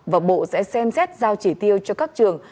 và bộ sẽ xem xét giao chỉ tiêu cho các trường